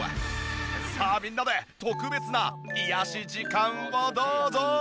さあみんなで特別な癒やし時間をどうぞ。